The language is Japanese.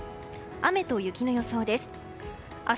雨と雪の予想です。